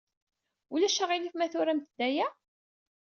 Ulac aɣilif ma turamt-d aya?